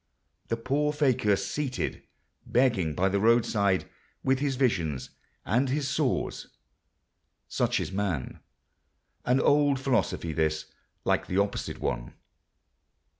The poor fakir seated begging by the roadside; with his visions—and his sores! Such is man. ... An old philosophy this—like the opposite one.